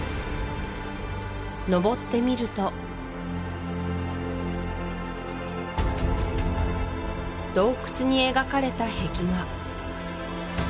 登ってみると洞窟に描かれた壁画